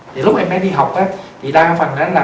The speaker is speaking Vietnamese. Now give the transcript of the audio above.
thì lúc em bé đi học á thì đa phần là